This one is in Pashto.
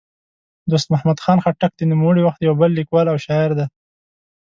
دوست محمد خټک د نوموړي وخت یو بل لیکوال او شاعر دی.